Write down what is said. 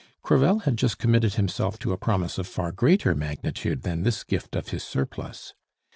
Crevel had just committed himself to a promise of far greater magnitude than this gift of his surplus.